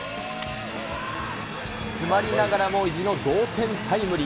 詰まりながらも意地の同点タイムリー。